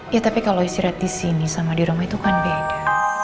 ya tapi kalau istirahat di sini sama di rumah itu kan beda